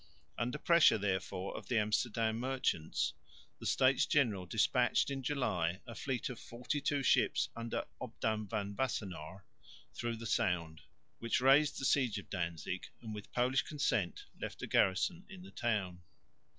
Under pressure therefore of the Amsterdam merchants the States General despatched (July) a fleet of forty two ships under Obdam van Wassenaer through the Sound, which raised the siege of Danzig and with Polish consent left a garrison in the town.